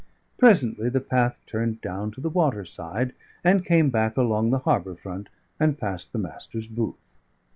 Presently the path turned down to the water side, and came back along the harbour front and past the Master's booth.